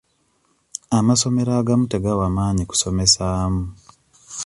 Amasomero agamu tegawa maanyi kusomesaamu.